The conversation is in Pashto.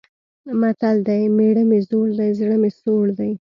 متل دی: مېړه مې زوړ دی، زړه مې سوړ دی.